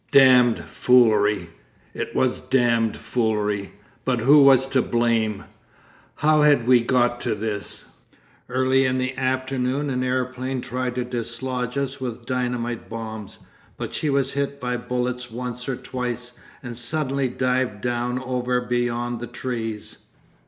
Damned foolery! It was damned foolery. But who was to blame? How had we got to this? ... 'Early in the afternoon an aeroplane tried to dislodge us with dynamite bombs, but she was hit by bullets once or twice, and suddenly dived down over beyond the trees.